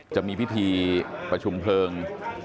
จะมีพิธีประชุมเพลิง